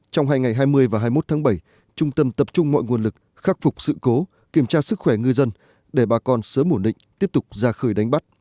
trong hai ngày hai mươi và hai mươi một tháng bảy trung tâm tập trung mọi nguồn lực khắc phục sự cố kiểm tra sức khỏe ngư dân để bà con sớm ổn định tiếp tục ra khơi đánh bắt